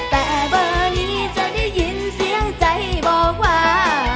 แต่เบอร์นี้จะได้ยินเสียงใจบอกว่า